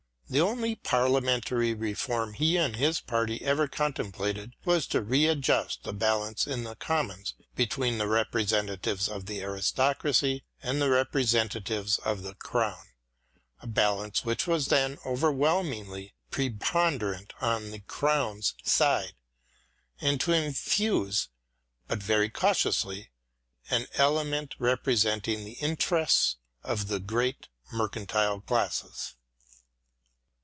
The only parliamentary reform he and his party ever contemplated was to readjust the balance in the Commons between the representative? of the aristocracy and the representatives of the Crown — a balance which was then overwhelmingly pre ponderant on the Crown's side — and to infuse, |6 EDMUND BURKE but very cautiously, an elementjrepresenting the interests of the great inercantile classes.